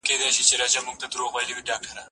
زه بايد کتابتون ته راشم؟!